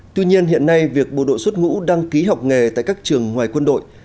tuy nhiên hiện nay việc bộ đội xuất ngũ đăng ký học nghề tại các trường ngoài quân đội